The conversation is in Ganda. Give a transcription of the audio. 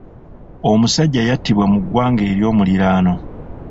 Omusajja yattibwa mu ggwanga ery'omuliraano.